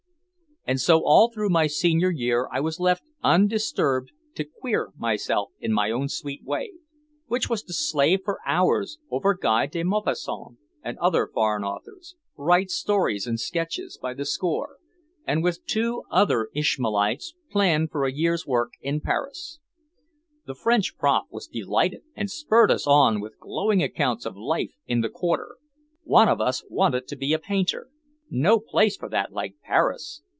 And so all through my senior year I was left undisturbed to "queer" myself in my own sweet way, which was to slave for hours over Guy de Maupassant and other foreign authors, write stories and sketches by the score, and with two other "Ishmaelites" plan for a year's work in Paris. The French prof was delighted and spurred us on with glowing accounts of life in "the Quarter." One of us wanted to be a painter. No place for that like Paris!